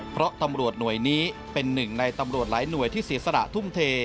เพราะตำรวจหน่วยนี้เป็นหนึ่งในตำรวจหลายหน่วยที่เสียสระทุ่มเท